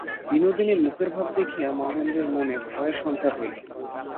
বিনোদিনীর মুখের ভাব দেখিয়া মহেন্দ্রের মনে ভয়ের সঞ্চার হইল।